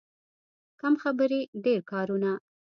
کم خبرې، ډېر کارونه.